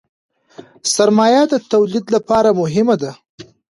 سرمایه د تولید لپاره مهمه ده.